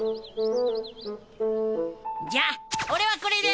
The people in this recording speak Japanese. じゃあ俺はこれで！